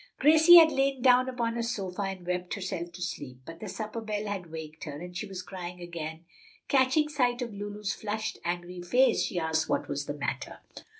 Gracie had lain down upon a sofa and wept herself to sleep, but the supper bell had waked her, and she was crying again. Catching sight of Lulu's flushed, angry face, she asked what was the matter.